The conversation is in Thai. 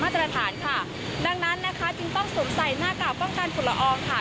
ตรฐานค่ะดังนั้นนะคะจึงต้องสวมใส่หน้ากากป้องกันฝุ่นละอองค่ะ